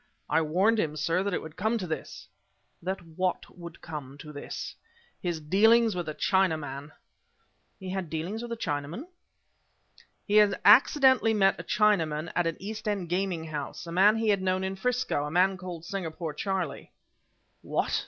"I warned him, sir, that it would come to this " "That what would come to this?"' "His dealings with the Chinaman!" "He had dealings with Chinamen?" "He accidentally met a Chinaman at an East End gaming house, a man he had known in Frisco a man called Singapore Charlie " "What!